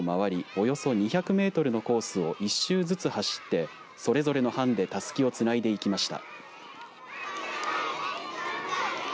およそ２００メートルのコースを１周ずつ走ってそれぞれの班でたすきをつないでいきました。